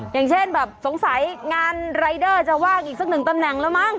อย่างเช่นแบบสงสัยงานรายเดอร์จะว่างอีกสักหนึ่งตำแหน่งแล้วมั้ง